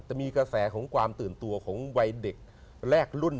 จะมีกระแสของความตื่นตัวของวัยเด็กแรกรุ่น